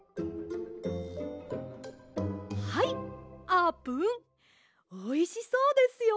はいあーぷんおいしそうですよ。